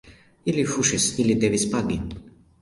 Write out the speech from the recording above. Ili fuŝis, ili devus pagi.